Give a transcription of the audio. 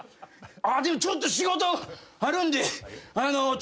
でもちょっと仕事あるんで。